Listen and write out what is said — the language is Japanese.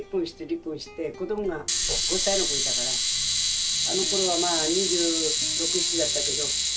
子どもが５歳の子いたからあのころはまあ２６２７だったけど。